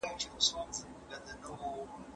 هغه قلمي نسخې چي زړې دي د څېړني لپاره ارزښت لري.